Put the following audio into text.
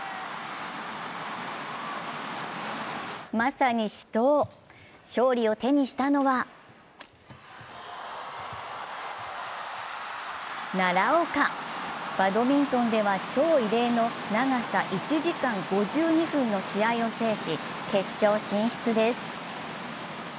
まさに死闘、勝利を手にしたのは奈良岡、バドミントンでは超異例の長さ１時間５２分の試合を制し決勝進出です。